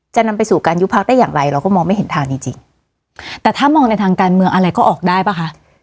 นำไปสู่การยุบพักได้อย่างไรเราก็มองไม่เห็นทางจริงจริงแต่ถ้ามองในทางการเมืองอะไรก็ออกได้ป่ะคะ